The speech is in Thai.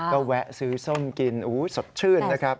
ก็แวะซื้อส้มกินสดชื่นนะครับ